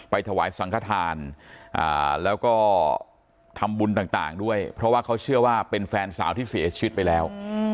ถวายสังขทานแล้วก็ทำบุญต่างด้วยเพราะว่าเขาเชื่อว่าเป็นแฟนสาวที่เสียชีวิตไปแล้ว